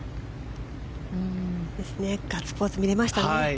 ガッツポーズが見れましたね。